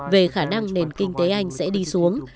về khả năng nền kinh tế anh sẽ đi xuống